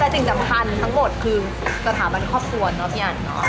แต่สิ่งสำคัญทั้งหมดคือสถาบันครอบครัวเนาะพี่อันเนาะ